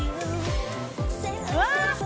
うわ！